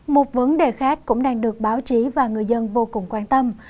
một vấn đề khác cũng đang được báo chí và người dân vô cùng quan tâm